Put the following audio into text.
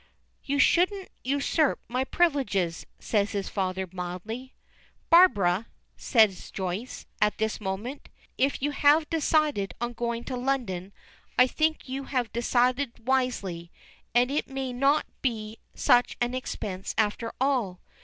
"You shouldn't usurp my privileges," says his father, mildly. "Barbara!" says Joyce, at this moment. "If you have decided on going to London, I think you have decided wisely; and it may not be such an expense after all.